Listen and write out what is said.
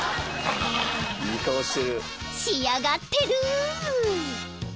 ［仕上がってる！］